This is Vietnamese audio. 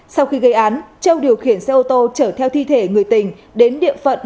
sau khi gây án châu điều khiển xe ô tô chở theo thi thể người tình đến địa phận huyện văn hà